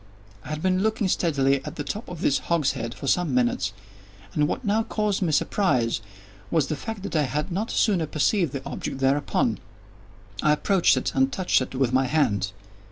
I had been looking steadily at the top of this hogshead for some minutes, and what now caused me surprise was the fact that I had not sooner perceived the object thereupon. I approached it, and touched it with my hand.